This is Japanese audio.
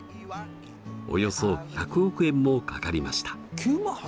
およそ１００億円もかかりました。